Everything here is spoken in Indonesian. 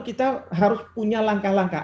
kita harus punya langkah langkah